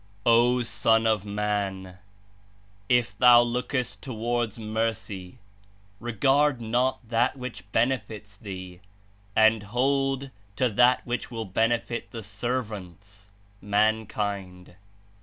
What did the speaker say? "O Son of Man! If thou lookest towards Mercy, regard not that which benefits thee, and hold to that which will benefit the servants (mankind).